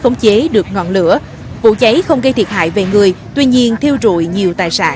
khống chế được ngọn lửa vụ cháy không gây thiệt hại về người tuy nhiên thiêu rụi nhiều tài sản